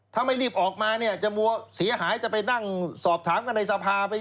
ถ้าไม่รีบออกมาเนี่ยจะมัวเสียหายจะไปนั่งสอบถามกันในสภาไป